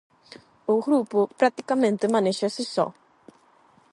O grupo practicamente manéxase só.